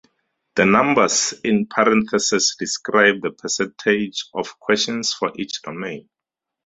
The numbers in parentheses describe the percentage of questions for each domain.